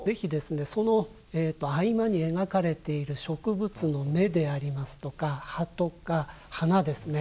その合間に描かれている植物の芽でありますとか葉とか花ですね。